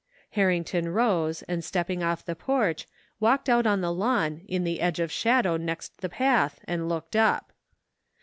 Harrington rose and stepping off the porch, walked out on the lawn in the edge of shadow next the path and looked up.